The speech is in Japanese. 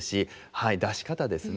はい出し方ですね。